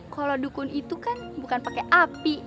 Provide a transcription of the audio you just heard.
kalo dukun itu kan bukan pake api